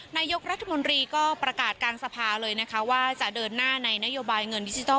นายก็ก็ประกาศการสภาเลยนะคะว่าจะเดินหน้าในนโยบายเงิน